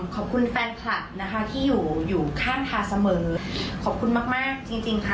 ขอบคุณแฟนคลับนะคะที่อยู่อยู่ข้างทางเสมอขอบคุณมากมากจริงจริงค่ะ